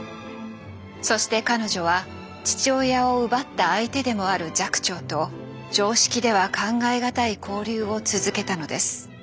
そして彼女は父親を奪った相手でもある寂聴と常識では考え難い交流を続けたのです。